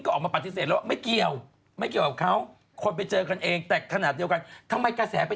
ก็ตกเป็นผู้ต้งใส่โดยปริยายไป